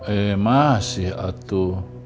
eh masih atu